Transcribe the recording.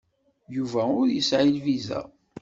Yuba ur yesɛi lviza.